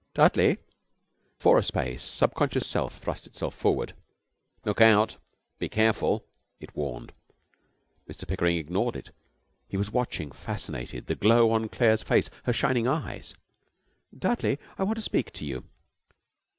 'Dudley!' For a space Subconscious Self thrust itself forward. 'Look out! Be careful!' it warned. Mr Pickering ignored it. He was watching, fascinated, the glow on Claire's face, her shining eyes. 'Dudley, I want to speak to you.'